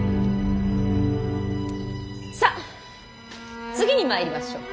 さっ次にまいりましょう。